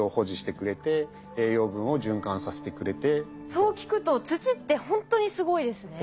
そう聞くと土ってほんとにすごいですね。